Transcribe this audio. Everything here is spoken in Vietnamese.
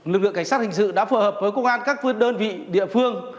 lực lượng cảnh sát hình sự đã phù hợp với công an các phương đơn vị địa phương